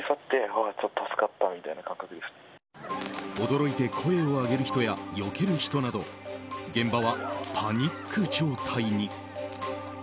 驚いて声を上げる人やよける人など現場はパニック状態に。